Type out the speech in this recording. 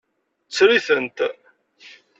Tter-itent.